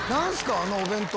あのお弁当。